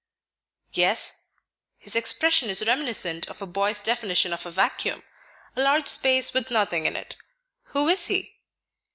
"Yes; his expression is reminiscent of a boy's definition of a vacuum, a large space with nothing in it. Who is he?"